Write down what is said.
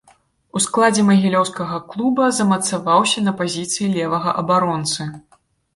У складзе магілёўскага клуба замацаваўся на пазіцыі левага абаронцы.